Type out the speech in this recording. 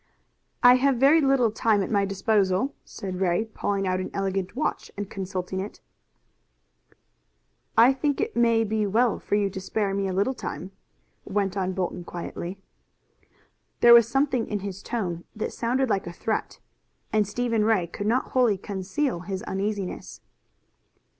"I have very little time at my disposal," said Ray, pulling out an elegant gold watch and consulting it. "I think it may be well for you to spare me a little time," went on Bolton quietly. There was something in his tone that sounded like a threat, and Stephen Ray could not wholly conceal his uneasiness.